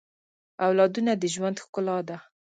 اولادونه د ژوند ښکلا ده